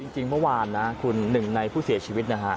จริงเมื่อวานนะคุณหนึ่งในผู้เสียชีวิตนะฮะ